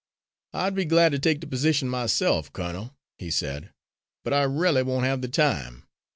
"I'd be glad to take the position myself, colonel," he said, "but I r'aly won't have the time.